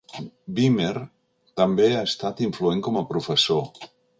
Beamer també ha estat influent com a professor.